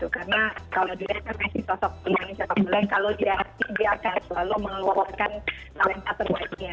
karena kalau di indonesia messi sosok kemanusiaan kalau dia happy dia akan selalu meluangkan talenta terbaiknya